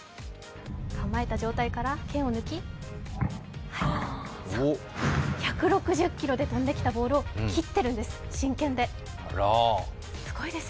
構えた状態から剣を抜き、１６０キロで飛んできたボールを切ってるんです。